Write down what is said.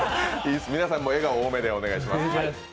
皆さんも笑顔多めでお願いします。